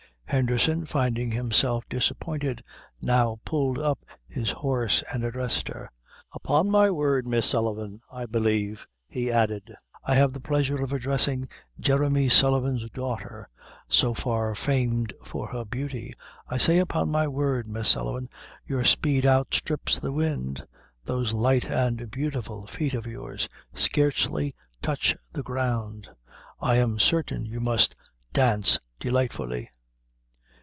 Henderson, finding himself disappointed, now pulled up his horse and addressed her: "Upon my word, Miss Sullivan I believe," he added, "I have the pleasure of addressing Jeremy Sullivan's daughter so far famed for her beauty I say, upon my word, Miss Sullivan, your speed outstrips the wind those light and beautiful feet of yours scarcely touch the ground I am certain you must dance delightfully."